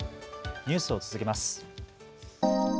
ニュースを続けます。